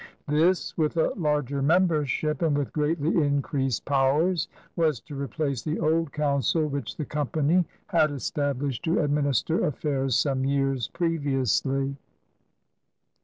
This, with a larger membership and with greatly increased powers, was to replace the old council which the Company had established to admmister affairs some years previously.